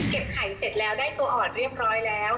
ไข่เสร็จแล้วได้ตัวอ่อนเรียบร้อยแล้ว